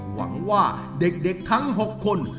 หวังว่าเด็กทั้ง๖คน